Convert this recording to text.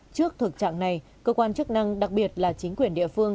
trước thực trạng này cơ quan chức năng đặc biệt là chính quyền địa phương